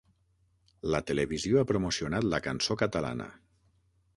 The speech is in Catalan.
La televisió ha promocionat la cançó catalana.